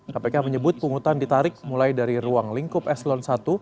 kpk menyebut pungutan ditarik mulai dari ruang lingkup eselon i